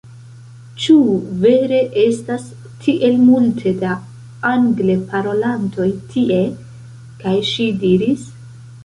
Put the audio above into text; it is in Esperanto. "Ĉu vere estas tiel multe da Angleparolantoj tie?" kaj ŝi diris: